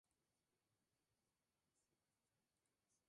Un destacado miembro de la empresa fue John B. Cleveland de Spartanburg.